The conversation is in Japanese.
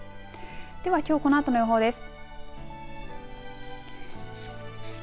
ではきょうこのあとの予報です。